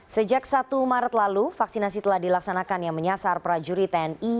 sejak satu maret lalu vaksinasi telah dilaksanakan yang menyasar prajurit tni